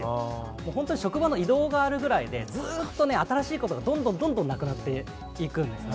もう本当に職場の異動があるぐらいで、ずっとね、新しいことがどんどんどんどんなくなっていくんですね。